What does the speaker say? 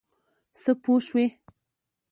څه پوه شوې؟